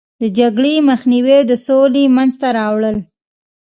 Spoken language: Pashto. د جګړې مخنیوی او د سولې منځته راوړل.